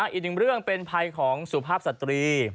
อีกหนึ่งเรื่องเป็นภัยของสุภาพสตรี